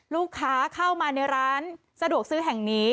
ลูกค้าเข้ามาในร้านสะดวกซื้อแห่งนี้